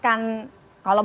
kalau medali emasnya